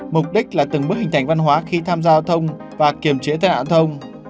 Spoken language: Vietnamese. mục đích là từng bước hình thành văn hóa khi tham gia giao thông và kiềm chế tai nạn thông